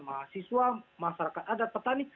mahasiswa masyarakat adat petani